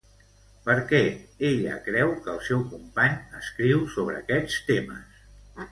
Per què ella creu que el seu company escriu sobre aquests temes?